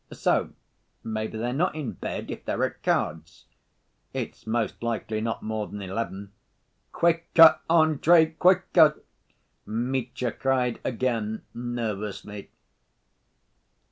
"So, maybe they're not in bed if they're at cards. It's most likely not more than eleven." "Quicker, Andrey! Quicker!" Mitya cried again, nervously.